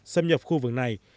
xâm nhập khu vực này